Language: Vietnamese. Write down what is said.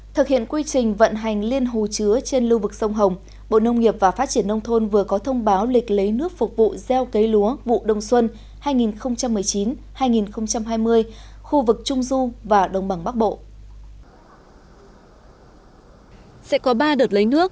thực hiện quy trình vận hành liên hồ chứa trên lưu vực sông hồng bộ nông nghiệp và phát triển nông thôn vừa có thông báo lịch lấy nước phục vụ gieo cấy lúa vụ đông xuân hai nghìn một mươi chín hai nghìn hai mươi khu vực trung du và đồng bằng bắc bộ